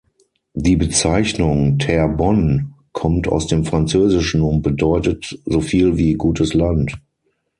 Die Bezeichnung Terrebonne kommt aus dem Französischen und bedeutet so viel wie "Gutes Land".